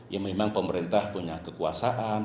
ya memang pemerintah punya kekuasaan